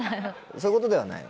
そういうことではないの？